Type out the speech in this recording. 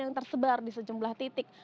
yang tersebar di sejumlah titik